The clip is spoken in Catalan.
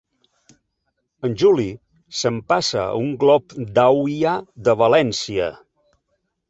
El Juli s'empassa un glop d'auia de València.